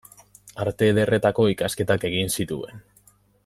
Arte Ederretako ikasketak egin zituen.